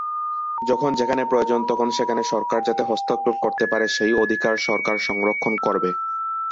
যখন যেখানে প্রয়োজন তখন সেখানে সরকার যাতে হস্তক্ষেপ করতে পারে সেই অধিকার সরকার সংরক্ষণ করবে।